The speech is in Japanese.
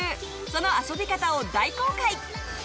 その遊び方を大公開！